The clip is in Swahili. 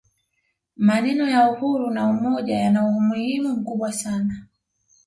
maneno ya uhuru na umoja yana umuhimu mkubwa sana